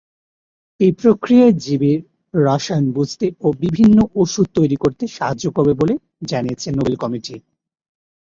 এই প্রক্রিয়া জীবের রসায়ন বুঝতে ও বিভিন্ন ওষুধ তৈরি করতে সাহায্য করবে বলে জানিয়েছে নোবেল কমিটি।